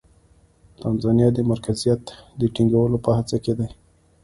تانزانیا د مرکزیت د ټینګولو په هڅه کې دی.